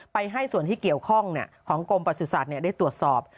ให้ส่วนที่เกี่ยวข้องของกรมประสุทธิ์ได้ตรวจสอบ